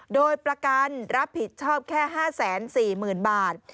โดยประกันรับผิดชอบแค่๕๔๐๐๐บาท